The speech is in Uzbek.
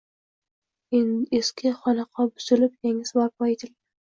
Eski xonaqo buzilib, yangisi barpo etilgan